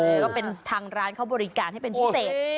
แล้วก็เป็นทางร้านเขาบริการให้เป็นพิเศษ